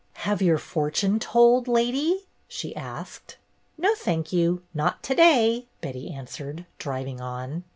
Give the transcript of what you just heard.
''Have your fortune told, lady?" she asked. "No, thank you, not to day," Betty an swered, driving on.